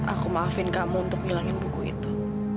aku maafin kamu untuk ngilangin buku itu